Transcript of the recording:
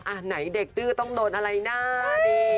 อ่ะไหนเด็กดื้อต้องโดนอะไรหน้าดิ